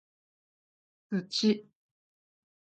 土